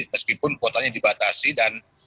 meskipun kuotanya dibatasi dan